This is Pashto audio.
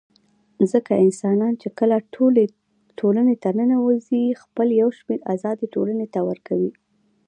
ځکه انسانان چي کله ټولني ته ننوزي خپل يو شمېر آزادۍ ټولني ته ورکوي